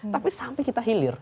tapi sampai kita hilir